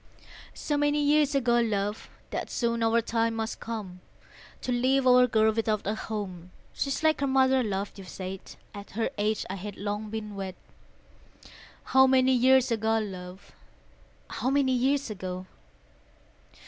So many years ago, love, That soon our time must come To leave our girl without a home; She's like her mother, love, you've said: At her age I had long been wed, How many years ago, love, How many years ago?